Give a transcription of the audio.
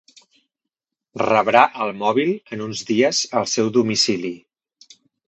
Rebrà el mòbil en uns dies al seu domicili.